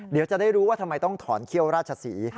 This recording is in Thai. เดี๋ยวจะได้รู้ว่าทำไมต้องถอนเขี้ยวราชศรี